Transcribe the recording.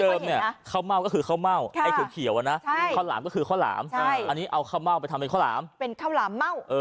คือเดิมเนี่ยข้าวเม่าก็คือข้าวเม่าไอ้เขียวนะข้าวหลามก็คือข้าวหลามอันนี้เอาข้าวเม่าไปทำเป็นข้าวหลาม